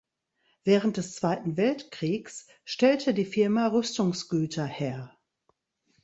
Während des Zweiten Weltkriegs stellte die Firma Rüstungsgüter her.